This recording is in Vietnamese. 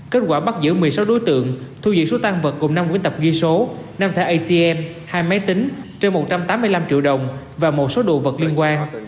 kết quả bắt giữ một mươi sáu đối tượng thu giữ số tan vật gồm năm quy tập ghi số năm thẻ atm hai máy tính trên một trăm tám mươi năm triệu đồng và một số đồ vật liên quan